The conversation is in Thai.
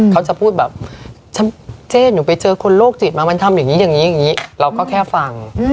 เขาจะพูดแบบเจ๊หนูไปเจอคนโรคจิตมามันทำอย่างนี้เราก็แค่ฟัง